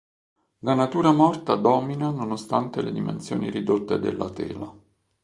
La natura morta domina nonostante le dimensioni ridotte della tela.